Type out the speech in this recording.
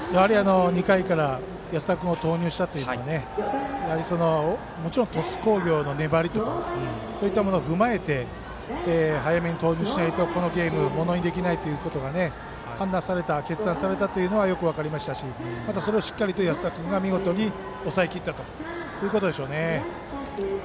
２回から安田君を投入したというのはやはりもちろん鳥栖工業の粘りそういったものを踏まえて早めに投入しないとこのゲームをものにできないと判断された、決断されたのはよく分かりましたしそれをしっかり安田君が抑えきったということでしょうね。